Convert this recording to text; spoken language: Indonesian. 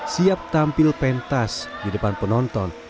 siap tampil pentas di depan penonton